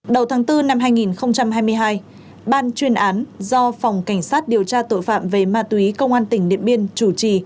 đầu tháng bốn năm hai nghìn hai mươi hai ban chuyên án do phòng cảnh sát điều tra tội phạm về ma túy công an tỉnh điện biên chủ trì